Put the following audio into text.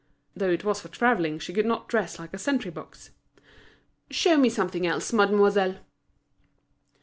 Though it was for travelling she could not dress like a sentry box. "Show me something else, mademoiselle."